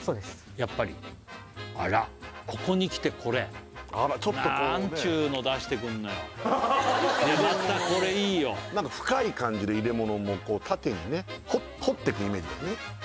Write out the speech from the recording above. やっぱりあらここにきてこれなんちゅうのを出してくんのよまたこれいいよなんか深い感じで入れ物も縦にね掘ってくイメージだよね